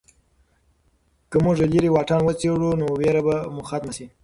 که موږ لیرې واټن وڅېړو نو ویره به مو ختمه شي.